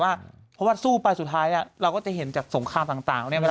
แต่ว่าสู้ไปสุดท้ายเราก็จะเห็นจากสงครามต่าง